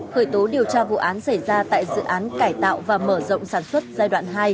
khởi tố điều tra vụ án xảy ra tại dự án cải tạo và mở rộng sản xuất giai đoạn hai